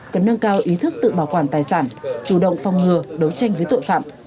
cần nâng cao ý thức tự bảo quản tài sản chủ động phòng ngừa đấu tranh với tội phạm